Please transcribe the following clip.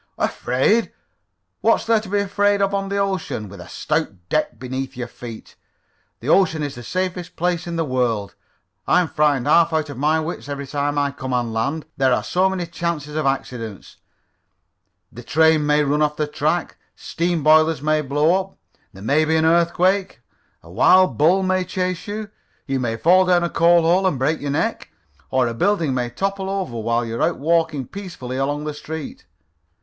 "Afraid? What's there to be afraid of on the ocean, with a stout deck beneath your feet? The ocean is the safest place in the world. I'm frightened half out of my wits every time I come on land. There are so many chances of accidents. The train may run off the track, steam boilers may blow up, there may be an earthquake, a wild bull may chase you, you may fall down a coal hole and break your neck, or a building may topple over on you while you're walking peacefully along the street.